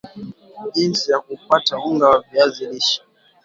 Jinsi ya kupata unga wa viazi lishe